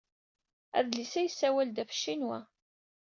Adlis-a yessawal-d ɣef Ccinwa.